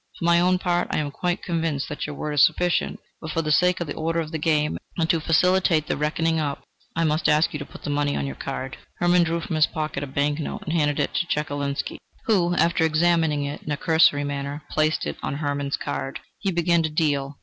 For my own part, I am quite convinced that your word is sufficient, but for the sake of the order of the game, and to facilitate the reckoning up, I must ask you to put the money on your card." Hermann drew from his pocket a bank note and handed it to Chekalinsky, who, after examining it in a cursory manner, placed it on Hermann's card. He began to deal.